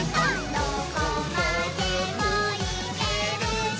「どこまでもいけるぞ！」